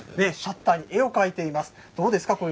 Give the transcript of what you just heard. シャッターに絵を描いています。